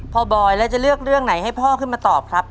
บอยแล้วจะเลือกเรื่องไหนให้พ่อขึ้นมาตอบครับ